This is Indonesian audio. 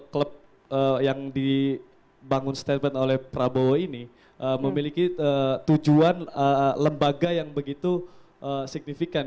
klub yang dibangun statement oleh prabowo ini memiliki tujuan lembaga yang begitu signifikan